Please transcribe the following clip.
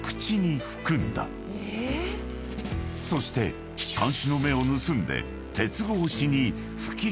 ［そして看守の目を盗んで］